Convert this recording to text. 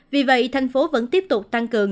vì vậy thành phố vẫn tiếp tục tăng cường